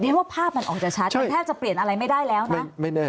ว่าภาพมันออกจะชัดมันแทบจะเปลี่ยนอะไรไม่ได้แล้วนะ